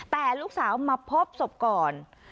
แต่ลูกสาวมาพบศพก่อน